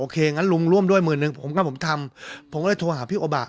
งั้นลุงร่วมด้วยหมื่นหนึ่งผมก็ผมทำผมก็เลยโทรหาพี่โอบะ